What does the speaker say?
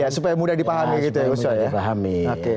supaya mudah dipahami